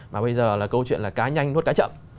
mà bây giờ là câu chuyện là cá nhanh nốt cá chậm